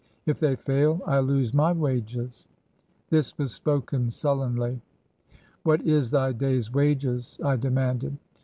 If they fail, I lose my wages !" This was spoken sullenly. "What is thy day's wages?" I demanded.